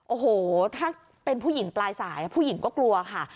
โอ้โหถ้าเป็นผู้หญิงปลายสายผู้หญิงก็กลัวค่ะ